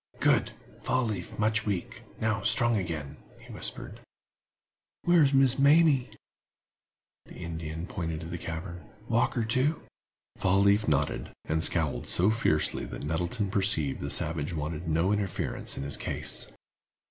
"Good! Fall leaf much weak; now strong again," he whispered. "Where's Miss Mamie?" The Indian pointed to the cavern. "Walker, too?" Fall leaf nodded, and scowled so fiercely that Nettleton perceived the savage wanted no interference in his case.